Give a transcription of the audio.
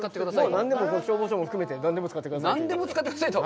もう何でも、消防署も含めて、何でも使ってくださいと。